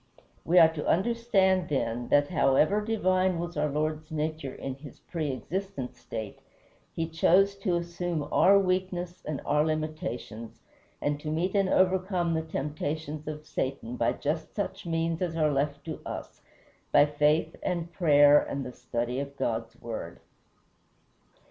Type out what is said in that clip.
We are to understand, then, that however divine was our Lord's nature in his preëxistent state, he chose to assume our weakness and our limitations, and to meet and overcome the temptations of Satan by just such means as are left to us by faith and prayer and the study of God's Word.